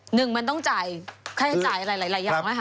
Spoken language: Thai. หนึ่งมันต้องจ่ายค่าใช้จ่ายอะไรหลายอย่างนะคะ